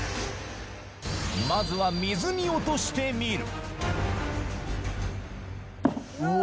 まずは水に落としてみる